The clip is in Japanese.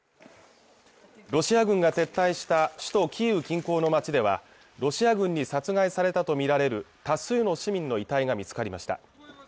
ロシア軍が撤退した首都キーウ近郊の町ではロシア軍に殺害されたと見られる多数の市民の遺体が見つかりました